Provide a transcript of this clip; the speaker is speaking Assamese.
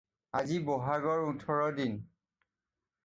আজি বহাগৰ ওঠৰ দিন।